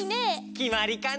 きまりかな？